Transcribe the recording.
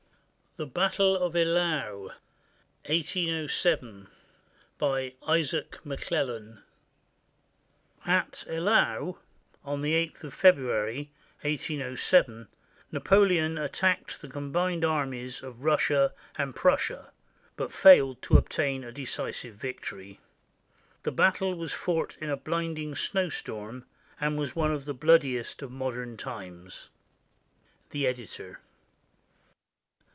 THE BATTLE OF EYLAU BY ISAAC McLELLAN [At Eylau, on the 8th of February, 1807, Napoleon attacked the combined armies of Russia and Prussia, but failed to obtain a decisive victory. The battle was fought in a blinding snowstorm and was one of the bloodiest of modern times. The Editor.